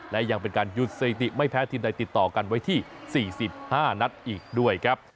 และยังเป็นการหยุดสถิติไม่แพ้ทีมใดติดต่อกันไว้ที่๔๕นัดอีกด้วยครับ